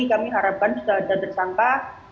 kami harapkan sudah ada tersangka